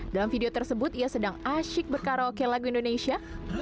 dalam video tersebut ia sedang asyik berkaraoke lagu indonesia